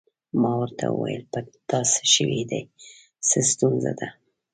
ما ورته وویل: په تا څه شوي دي؟ څه ستونزه ده؟